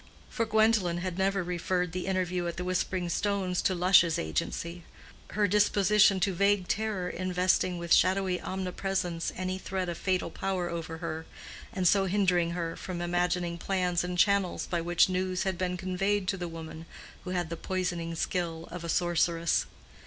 For Gwendolen had never referred the interview at the Whispering Stones to Lush's agency; her disposition to vague terror investing with shadowy omnipresence any threat of fatal power over her, and so hindering her from imagining plans and channels by which news had been conveyed to the woman who had the poisoning skill of a sorceress.